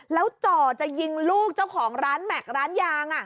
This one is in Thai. แล้วจ่อจะยิงลูกเจ้าของร้านแม็กซ์ร้านยาง